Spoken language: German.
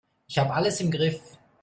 Ich habe alles im Griff.